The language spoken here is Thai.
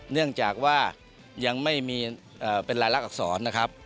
เนื่องจากว่ายังไม่มีเป็นรายลักษรนะครับ